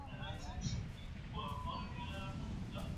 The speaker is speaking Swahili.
Sheria imeeleza wazi wajibu na majukumu yawadau mbalimbali